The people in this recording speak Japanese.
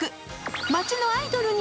町のアイドルに。